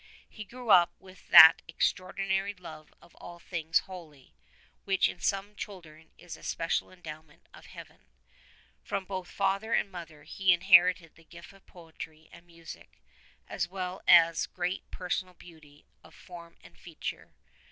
He grew up with that extraordinary love of all things holy vrhich in some children is a special endow ment of Heaven. From both father and mother he inherited the gift of poetry and music, as well as great personal beauty of form and feature.